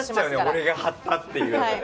俺が貼ったっていう。